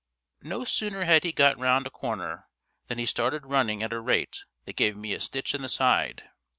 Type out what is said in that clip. No sooner had he got round a corner than he started running at a rate that gave me a stitch in the side.